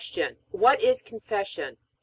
What is Confession? A.